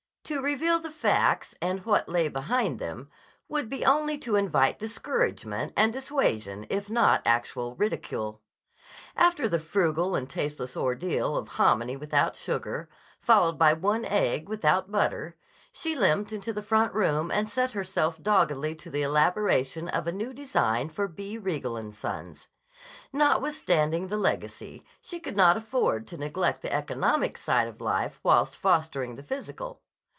To reveal the facts and what lay behind them would be only to invite discouragement and dissuasion if not actual ridicule. After the frugal and tasteless ordeal of hominy without sugar, followed by one egg without butter, she limped into the front room and set herself doggedly to the elaboration of a new design for B. Riegel & Sons. Notwithstanding the legacy, she could not afford to neglect the economic side of life whilst fostering the physical.